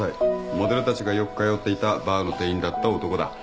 モデルたちがよく通っていたバーの店員だった男だ。